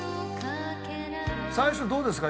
最初どうですか？